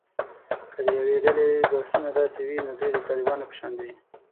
که د یوې ډلې بحثونه داسې وي، نو دوی د طالبانو په شان دي